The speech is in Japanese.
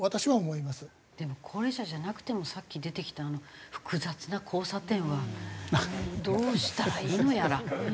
でも高齢者じゃなくてもさっき出てきた複雑な交差点はどうしたらいいのやら。